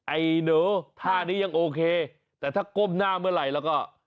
ไอ้หนูท่านี้ยังโอเคแต่ถ้าก้มหน้าเมื่อไหร่แล้วก็